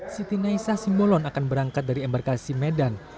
siti naisah simbolon akan berangkat dari embarkasi medan